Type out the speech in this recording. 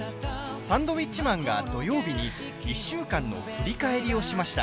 サンドウィッチマンが土曜日に１週間の振り返りをしました。